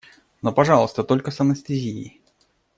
Но, пожалуйста, только с анестезией.